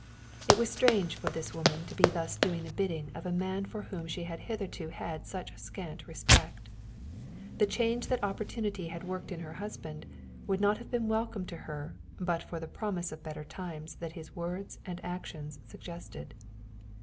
It was strange for this woman to be thus doing the bidding of a man for whom she had hitherto had such scant respect. The change that opportunity had worked in her husband would not have been welcome to her but for the promise of better times that his words and actions suggested.